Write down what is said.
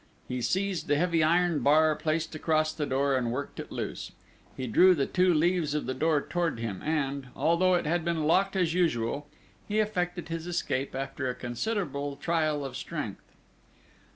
He seized the heavy iron bar placed across the door and worked it loose. He drew the two leaves of the door towards him; and, although it had been locked as usual, he effected his escape, after a considerable trial of strength.